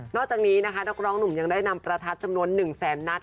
อกจากนี้นะคะนักร้องหนุ่มยังได้นำประทัดจำนวน๑แสนนัด